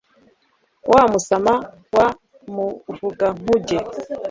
wa musama wa muvugankuge